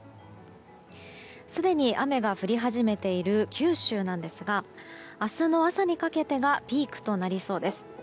すでに雨が降り始めている九州なんですが明日の朝にかけてがピークとなりそうです。